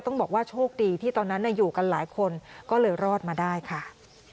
ต้องบอกว่าโชคดีที่ตอนนั้นอยู่กันหลายคนก็เลยรอดมาได้ค่ะ